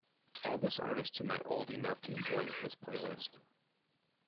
add this artist to my Old Enough To Enjoy This playlist